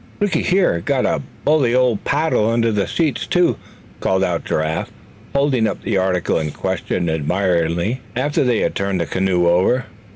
"Looky here, got a bully old paddle under the seats too!" called out Giraffe, holding up the article in question, admiringly, after they had turned the canoe over.